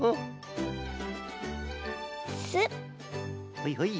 ほいほい。